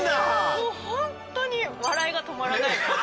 もう本当に笑いが止まらないですね。